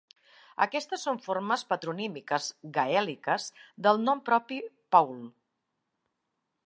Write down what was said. Aquestes són formes patronímiques gaèliques del nom propi "Paul".